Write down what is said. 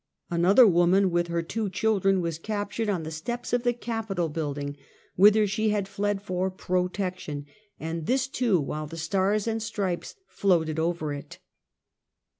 Another wo man with her two children was captured on the steps of the capitol building, whither she had fled for pro tection, and this, too, while the stars and stripes float ed over it.